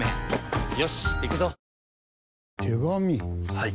はい。